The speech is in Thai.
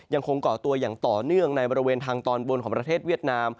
ก่อตัวอย่างต่อเนื่องในบริเวณทางตอนบนของประเทศเวียดนาม